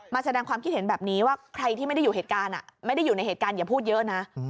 แสดงความคิดเห็นแบบนี้ว่าใครที่ไม่ได้อยู่เหตุการณ์ไม่ได้อยู่ในเหตุการณ์อย่าพูดเยอะนะ